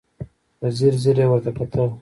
په ځير ځير يې ورته وکتل.